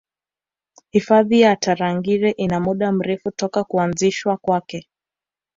Hifadhi ya Tarangire ina muda mrefu toka kuanzishwa kwake